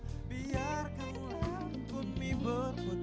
terima kasih terima kasih